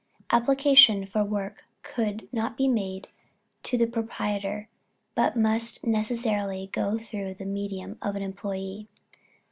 Application for work could not be made to the proprietor, but must necessarily go through the medium of an employee.